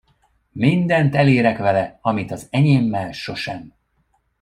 Mindent elérek vele, amit az enyémmel sosem.